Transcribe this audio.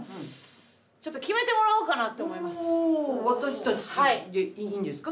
私たちでいいんですか？